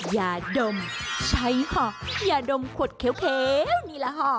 อย่าดมใช้เหาะอย่าดมขวดเขียวนี่แหละค่ะ